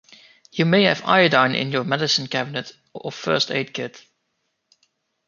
You may have iodine in your medicine cabinet or first aid kit.